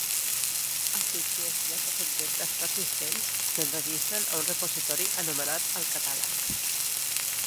Els fitxers i altres objectes persistents s'enregistren a un repositori anomenat el Catàleg.